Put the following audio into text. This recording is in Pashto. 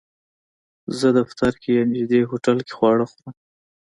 زه دفتر کې یا نږدې هوټل کې خواړه خورم